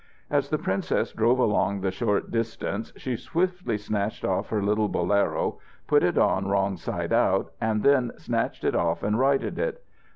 As the princess drove along the short distance, she swiftly snatched off her little bolero, put it on wrong side out, and then snatched it off and righted it.